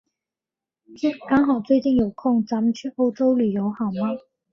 刚好最近有空，咱们去欧洲旅游好吗？